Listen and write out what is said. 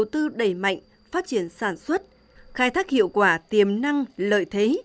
tư đẩy mạnh phát triển sản xuất khai thác hiệu quả tiềm năng lợi thế